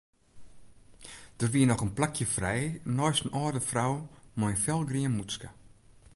Der wie noch in plakje frij neist in âlde frou mei in felgrien mûtske.